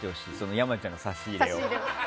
山ちゃんの差し入れを。